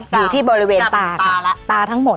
อยู่ที่บริเวณตาถ้างหมด